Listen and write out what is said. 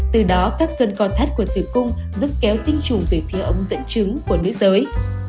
từ đó các cơn con thắt của tử cung giúp kéo tinh trùng về phía ống dẫn chứng của nữ giới